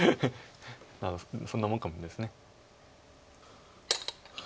そんなもんかもしれないです。